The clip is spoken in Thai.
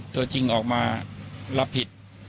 ตัวจริงออกมารับผิด